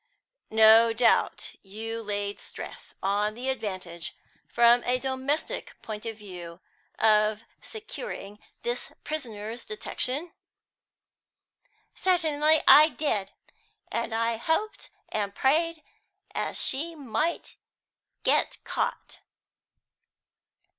"No doubt you laid stress on the advantage, from a domestic point of view, of securing this prisoner's detection?" "Certainly I did, and I hoped and prayed as she might be caught!"